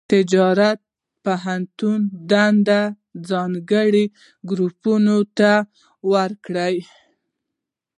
تجارت پوهنتون دندې ځانګړي ګروپونو ته ورکړي.